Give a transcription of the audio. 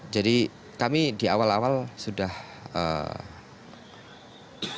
jadi kami di awal awal sudah melapor